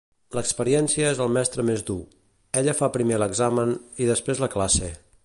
L'experiència és el mestre més dur. Ella fa primer l'examen i després la classe.